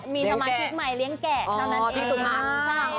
มีธรรมชุดใหม่เลี้ยงแก่เท่านั้นเอง